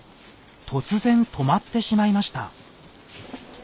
突然止まってしまいました。